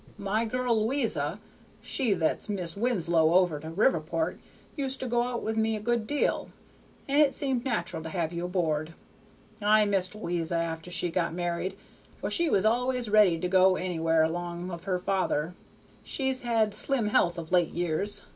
"My girl Lo'isa, she that's Mis Winslow over to Riverport, used to go out with me a good deal, and it seemed natural to have you aboard. I missed Lo'isa after she got married, for she was al'ays ready to go anywhere 'long of father. She's had slim health of late years.